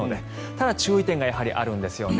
ただ、注意点がやはりあるんですよね。